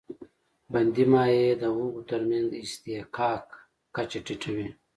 بندي مایع د هغوی تر منځ د اصطحکاک کچه ټیټوي.